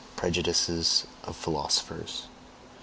PREJUDICES OF PHILOSOPHERS 1.